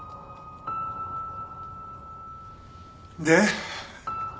で？